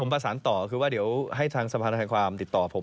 ผมประสานต่อว่าให้ทางสภาธนาความติดต่อผม